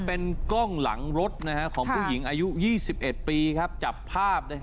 เป็นกล้องหลังรถของผู้หญิงอายุ๒๑ปีจับภาพ